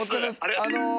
あの。